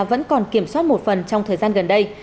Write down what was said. vẫn còn kiểm soát một phần trong thời gian gần đây